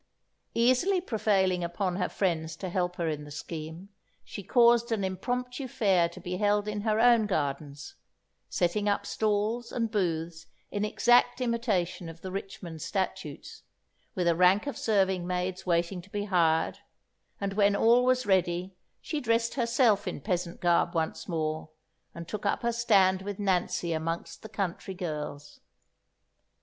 Easily prevailing upon her friends to help her in the scheme, she caused an impromptu fair to be held in her own gardens, setting up stalls and booths in exact imitation of the Richmond statutes, with a rank of serving maids waiting to be hired; and when all was ready, she dressed herself in peasant garb once more, and took up her stand with Nancy amongst the country girls.